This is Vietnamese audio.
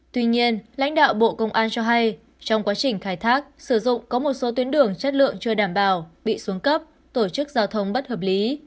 tuy nhiên lãnh đạo bộ công an cho hay trong quá trình khai thác sử dụng có một số tuyến đường chất lượng chưa đảm bảo bị xuống cấp tổ chức giao thông bất hợp lý